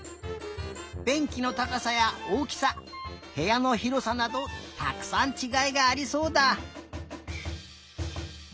べんきのたかさやおおきさへやのひろさなどたくさんちがいがありそうだ！